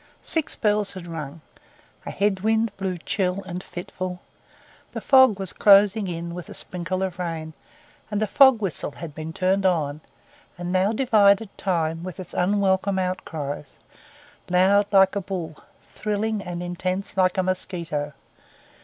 Six bells had rung; a head wind blew chill and fitful, the fog was closing in with a sprinkle of rain, and the fog whistle had been turned on, and now divided time with its unwelcome outcries, loud like a bull, thrilling and intense like a mosquito.